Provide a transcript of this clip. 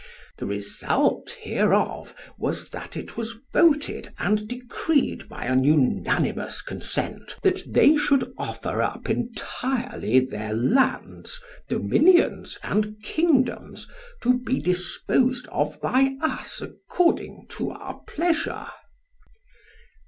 The result hereof was, that it was voted and decreed by an unanimous consent, that they should offer up entirely their lands, dominions, and kingdoms, to be disposed of by us according to our pleasure.